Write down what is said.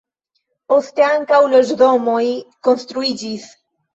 Poste ankaŭ loĝdomoj konstruiĝis.